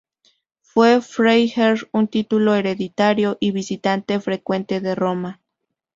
Fue Freiherr, un título hereditario, y visitante frecuente de Roma.